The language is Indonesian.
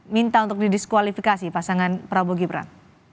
minta untuk didiskualifikasi pasangan prabowo gibran